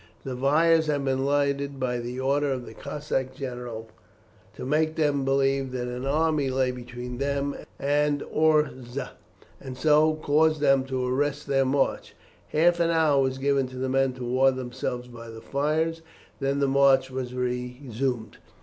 The fires had been lighted by order of the Cossack general to make them believe that an army lay between them and Orsza, and so cause them to arrest their march. Half an hour was given to the men to warm themselves by the fires, then the march was resumed.